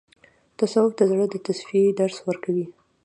تصوف د زړه د تصفیې درس ورکوي.